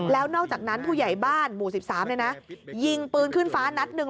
แล้วนอกจากนั้นผู้ใหญ่บ้านหมู่๑๓ยิงปืนขึ้นฟ้านัดหนึ่ง